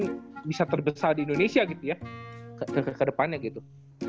yang bisa terbesar di indonesia gitu ya ke depannya gitu